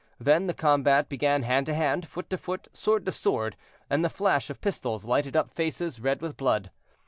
Then the combat began hand to hand, foot to foot, sword to sword, and the flash of pistols lighted up faces red with blood.